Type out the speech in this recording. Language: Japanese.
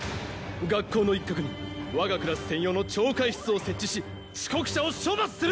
学校の一角にわがクラス専用の懲戒室を設置し遅刻者を処罰する。